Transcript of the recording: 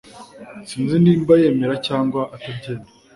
Sinzi niba yemera cyangwa atabyemera